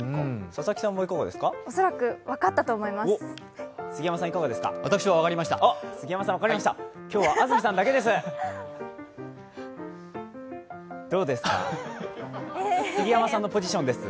恐らく、分かったと思います。